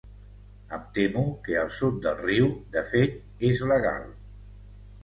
Em temo que al sud del riu, de fet, és legal.